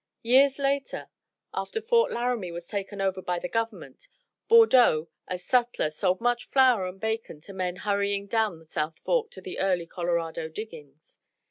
Years later, after Fort Laramie was taken over by the Government, Bordeaux as sutler sold much flour and bacon to men hurrying down the South Fork to the early Colorado diggings.